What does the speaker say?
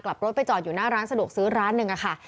กลับรถไปจอดอยู่หน้าร้านสะดวกซื้อร้านหนึ่งค่ะ